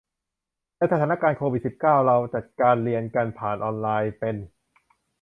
ในสถานการณ์โควิดสิบเก้า เราจัดการเรียนกันผ่านออนไลน์เป็น